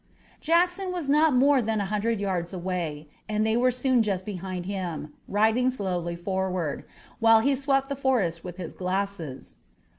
Jackson was not more than a hundred yards away, and they were soon just behind him, riding slowly forward, while he swept the forest with his glasses.